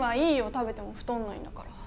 食べても太んないんだから。